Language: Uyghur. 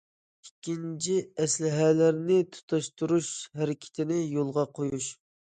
ئىككىنچى، ئەسلىھەلەرنى تۇتاشتۇرۇش ھەرىكىتىنى يولغا قويۇش.